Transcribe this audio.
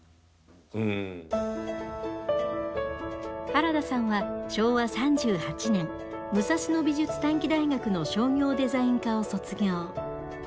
原田さんは昭和３８年武蔵野美術短期大学の商業デザイン科を卒業。